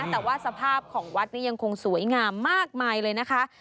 แต่ว่าสภาพของวัดนี้ยังคงสวยงามมากมายเลยนะคะ